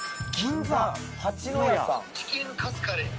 チキンカツカレー。